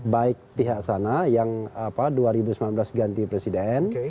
baik pihak sana yang dua ribu sembilan belas ganti presiden